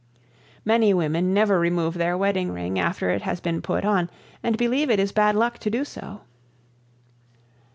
Many women never remove their wedding ring after it has been put on and believe it is bad luck to do so.